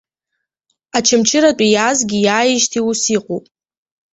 Очамчырантәи иаазгьы иааижьҭеи ус иҟоуп.